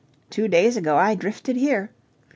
Two days ago I drifted here. Mr.